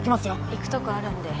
行くとこあるんで。